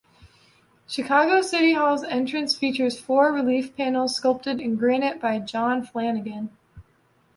Chicago City Hall's entrance features four relief panels sculpted in granite by John Flanagan.